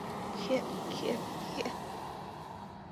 Ке-ке-хе!